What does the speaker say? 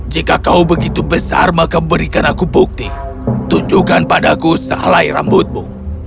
jika kau begitu besar maka berikan aku bukti tunjukkan padaku sehalai rambutmu